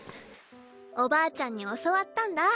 おばあちゃんに教わったんだ。